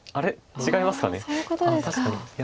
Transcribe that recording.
違いますかね。